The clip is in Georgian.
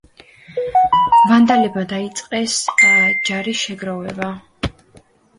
ვანდალებმა დაიწყეს ჯარის შეგროვება.